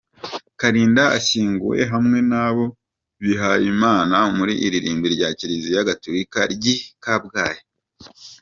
Kalinda ashyinguwe hamwe n’abo bihayimana mu irimbi rya Kiriziya Gaturika ry’i Kabgayi.